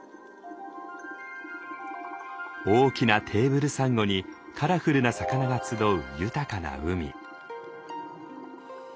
大きなテーブルサンゴにカラフルな魚が集う豊かな海。